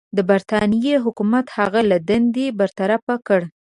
د برټانیې حکومت هغه له دندې برطرفه کړ.